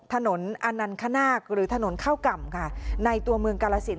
ถนนอนันคนาคหรือถนนเข้าก่ำค่ะในตัวเมืองกาลสิน